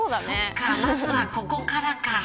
まずは、ここからか。